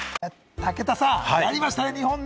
武田さん、やりましたね！